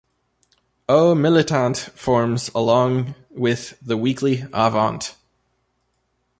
"O Militante" forms, along with the weekly "Avante!